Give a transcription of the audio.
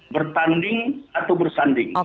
bertanding atau bersanding